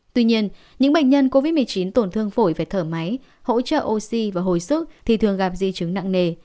tuy nhiên những bệnh nhân covid một mươi chín tổn thương phổi phải thở máy hỗ trợ oxy và hồi sức thì thường gặp di chứng nặng nề